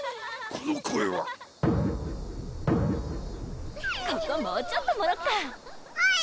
この声はここもうちょっともろっかあい